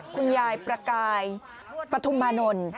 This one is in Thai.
คุณยายประกายปฐุมมานนท์